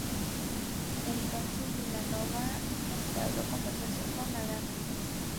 Entonces, Vilanova entabló conversación con Arana.